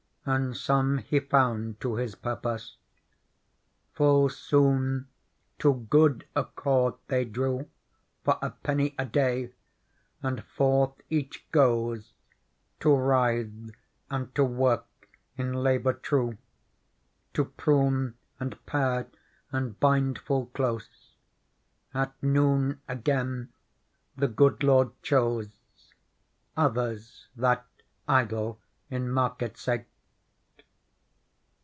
And some he found to his purpose. Full soon to good accord they drew For a penny a day ; and forth each goes To wrythe and to work in labour true. To prune and pare and bind full close. At noon, again, the good lord chose Others that idle in market sate.